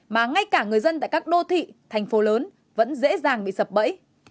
mà ngay cả người dân tại các đô thị thành phố lớn vẫn dễ dàng bị sập bẫy